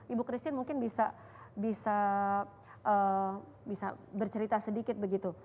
ibu christine mungkin bisa bercerita sedikit begitu